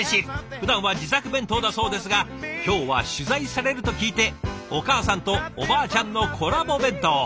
ふだんは自作弁当だそうですが今日は取材されると聞いてお母さんとおばあちゃんのコラボ弁当。